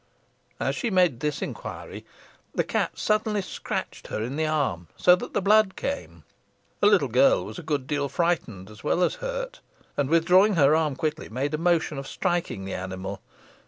As she made this inquiry the cat suddenly scratched her in the arm, so that the blood came. The little girl was a good deal frightened, as well as hurt, and, withdrawing her arm quickly, made a motion of striking the animal.